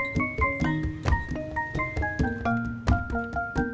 lu bikin adonan kue dadar gulung